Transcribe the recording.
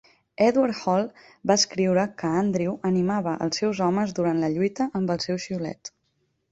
Edward Hall va escriure que Andrew animava els seus homes durant la lluita amb el seu xiulet.